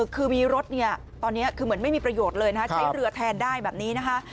คือมีรถเนี่ยตอนนี้คือเหมือนไม่มีประโยชน์เลยนะใช้เรือแทนได้แบบนี้นะคะ